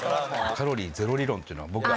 カロリーゼロ理論というのは僕が。